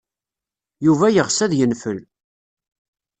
Yuba yeɣs ad yenfel.